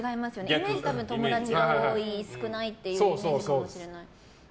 イメージ、多分友達が多い、少ないっていうイメージかもしれない。